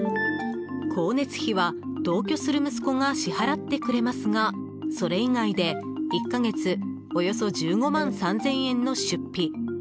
光熱費は、同居する息子が支払ってくれますがそれ以外で、１か月およそ１５万３０００円の出費。